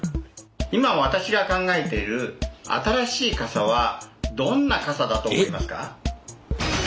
今私が考えている新しい傘はどんな傘だと思いますか？